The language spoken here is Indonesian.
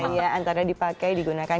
ya antara dipakai digunakan